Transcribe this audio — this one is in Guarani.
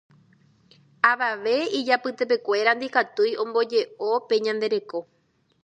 Avave ijapytepekuéra ndikatúi ombojeʼo pe ñande reko.